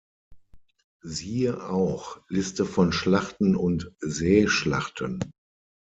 Siehe auch: Liste von Schlachten und Seeschlachten.